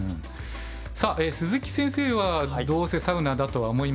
さあ鈴木先生はどうせサウナだとは思いますが。